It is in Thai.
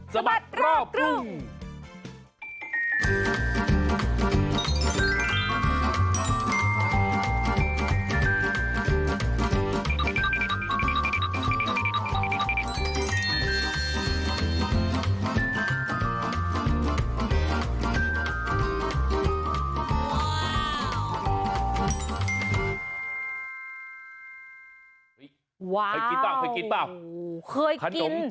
สมัดรอบกลุ่ม